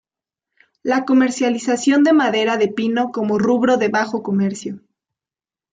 La comercialización de madera de pino como rubro de bajo comercio.